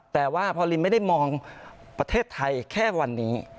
แต่ว่าพอลินไม่ได้มองประเทศไทยแค่วันนี้